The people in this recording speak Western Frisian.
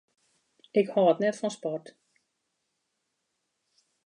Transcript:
Ik hâld net fan sport.